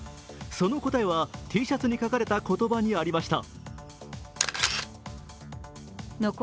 その答えはＴシャツに書かれた言葉にありました。